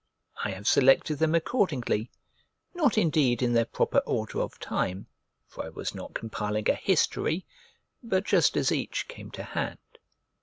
I have selected them accordingly; not, indeed, in their proper order of time, for I was not compiling a history; but just as each came to hand.